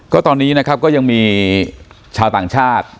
ก็ตอนนี้นะครับก็ยังมีชาวต่างชาติ